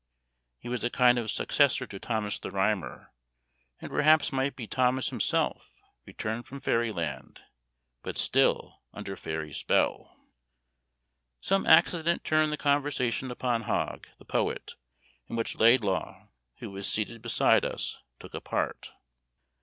He was a kind of successor to Thomas the Rhymer, and perhaps might be Thomas himself returned from fairy land, but still under fairy spell. Some accident turned the conversation upon Hogg, the poet, in which Laidlaw, who was seated beside us, took a part.